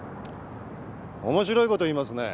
面白い事を言いますね。